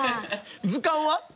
図鑑は？